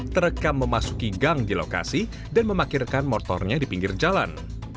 terekam memasuki gang di lokasi dan memakirkan motornya di pinggir jalan